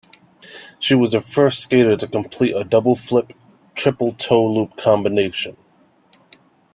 She was the first skater to complete a double flip, triple toe loop combination.